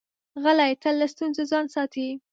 غلی، تل له ستونزو ځان ساتي.